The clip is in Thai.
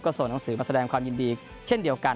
ส่งหนังสือมาแสดงความยินดีเช่นเดียวกัน